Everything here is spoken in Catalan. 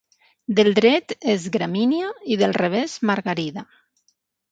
Del dret és gramínia i del revés Margarida.